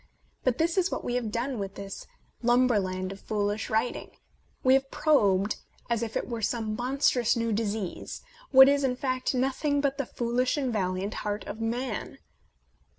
But this is what we have done with this lumberland of foolish writing : we have probed, as if it were some monstrous new disease, what is, in fact, nothing but the foolish and valiant heart of man.